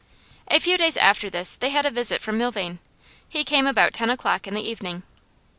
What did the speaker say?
A few days after this they had a visit from Milvain. He came about ten o'clock in the evening.